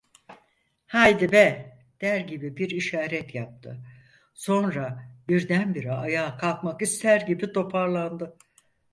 "Haydi be!" der gibi bir işaret yaptı, sonra birdenbire ayağa kalkmak ister gibi toparlandı.